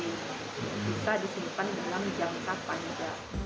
bisa disimpan dalam jangka panjang